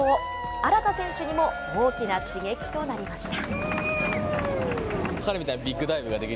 荒田選手にも大きな刺激となりました。